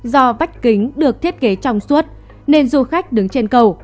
do vách kính được thiết kế trong suốt nên du khách đứng trên cầu